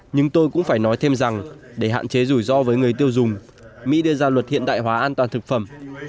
nhưng tôi cũng phải nói thêm rằng để hạn chế rủi ro với người tiêu dùng mỹ đưa ra luật hiện đại hóa an toàn thực phẩm